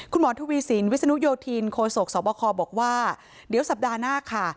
คุณหมอทวีสินวิศนุโยธินโคศกสบคบอกว่าเดี๋ยวสัปดาห์หน้าค่ะ